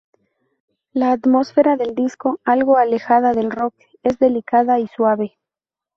La atmósfera del disco, algo alejada del rock, es delicada y suave.